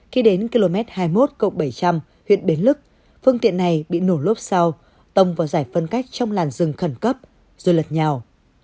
khi đến km hai mươi một bảy trăm linh huyện bến lức phương tiện này bị nổ lốp sau tông vào giải phân cách trong làn rừng khẩn cấp rồi lật nhào